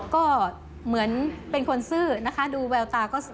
ก็เหมือนเป็นคนซื่อนะคะ